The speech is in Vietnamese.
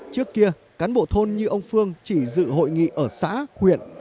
trước kia cán bộ thôn như ông phương chỉ dự hội nghị ở xã huyện